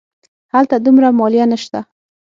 هلته دومره مالیه نه شته.